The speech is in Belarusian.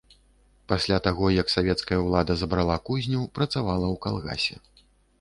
Пасля таго, як савецкая ўлада забрала кузню, працавала ў калгасе.